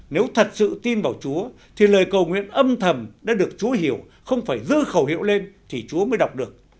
nếu thật sự tin vào chúa thì lời cầu nguyện âm thầm đã được chúa hiểu không phải dư khẩu hiệu lên thì chúa mới đọc được